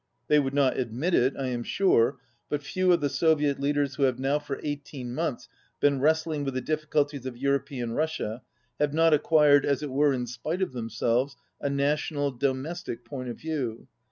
They would not admit it, I am sure, but few of the Soviet leaders who have now for eighteen months been wrestling with the difRculties of European Russia have not acquired, as it were in spite of them selves, a national, domestic point of view.